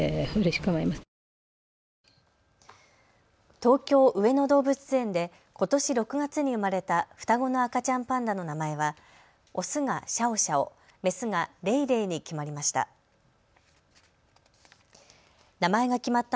東京、上野動物園でことし６月に生まれた双子の赤ちゃんパンダの名前はオスがシャオシャオ、メスがレイレイに決まりました。